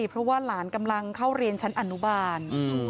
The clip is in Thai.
เพราะว่าหลานกำลังเข้าเรียนชั้นอนุบาล